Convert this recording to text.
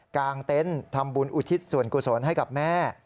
งเต็นต์ทำบุญอุทิศส่วนกุศลให้กับแม่